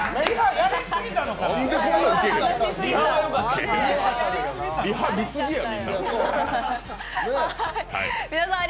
やりすぎたのかなあ。